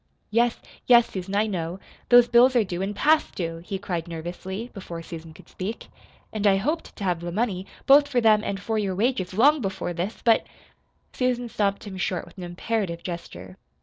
"Yes, yes, Susan, I know. Those bills are due, and past due," he cried nervously, before Susan could speak. "And I hoped to have the money, both for them and for your wages, long before this. But " Susan stopped him short with an imperative gesture.